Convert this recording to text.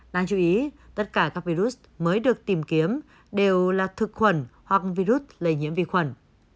đáng chú ý tất cả các virus mới được tìm kiếm đều là thực khuẩn hoặc virus lây nhiễm vi khuẩn